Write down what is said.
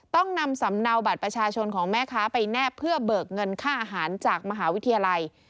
ต้องนำสำเนาบัตรประชาชนของแม่ค้าไปแนบเพื่อเบิกเงินค่าอาหารจากมหาวิทยาลัย